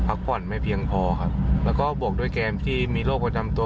พักผ่อนไม่เพียงพอครับแล้วก็บวกด้วยแกมที่มีโรคประจำตัว